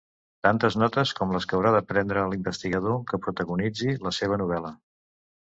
Tantes notes com les que haurà de prendre l'investigador que protagonitzi la seva novel·la.